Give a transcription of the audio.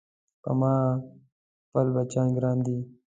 په ما خپل بچيان ګران دي